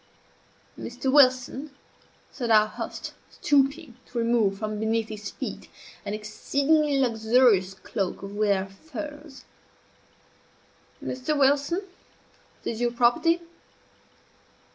"Mr. Wilson," said our host, stooping to remove from beneath his feet an exceedingly luxurious cloak of rare furs, "Mr. Wilson, this is your property."